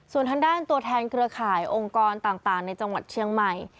ส่วนทางด้านตัวแทนเครือข่ายองค์กรต่างในจังหวัดเชียงใหม่